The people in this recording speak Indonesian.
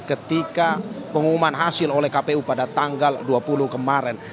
ketika pengumuman hasil oleh kpu pada tanggal dua puluh kemarin